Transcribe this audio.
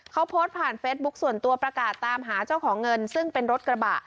เขาโพสต์ผ่านเฟซบุ๊คส่วนตัวประกาศตามหาเจ้าของเงินซึ่งเป็นรถกระบะ